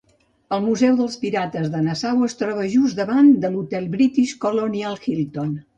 El Museu dels Pirates de Nassau es troba just davant de l'hotel British Colonial Hilton.